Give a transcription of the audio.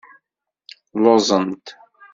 Lluẓent.